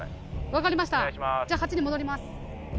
分かりましたじゃあ８に戻ります。